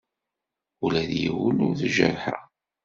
Ula d yiwen ur t-jerrḥeɣ.